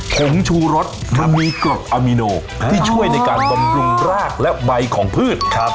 ผงชูรสมันมีกรดอามิโนที่ช่วยในการบำรุงรากและใบของพืช